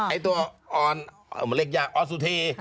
ไอ้ตัวออนมันเรียกยากออสสุธี